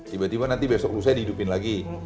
tiba tiba nanti besok lusa dihidupin lagi